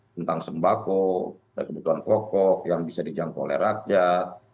tentang sembako kebutuhan pokok yang bisa dijangkau oleh rakyat